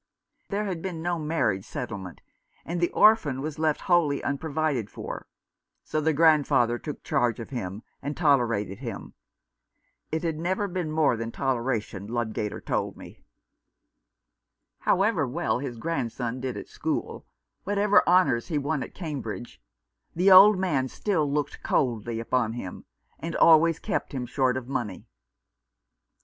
There had been no marriage settlement, and the orphan was left wholly unprovided for ; so the grandfather took charge of him, and tolerated him. It had never been more than toleration, Ludgater told me. 237 Rough Justice. However well his grandson did at school, what ever honours he won at Cambridge, the old man still looked coldly upon him, and always kept him short of money.